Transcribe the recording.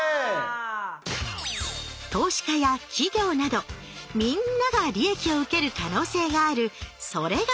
投資家や企業などみんなが利益を受ける可能性があるそれが投資。